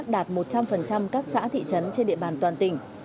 đạt một trăm linh các xã thị trấn trên địa bàn toàn tỉnh